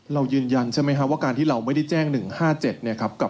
เรายืนยันใช่ไหมครับว่าการที่เราไม่ได้แจ้ง๑๕๗เนี่ยครับ